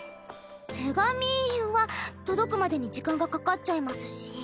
手紙は届くまでに時間がかかっちゃいますし。